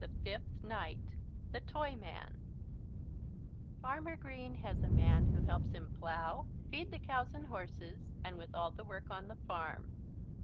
FIFTH NIGHT THE TOYMAN Farmer Green has a man who helps him plough, feed the cows and horses, and with all the work on the farm.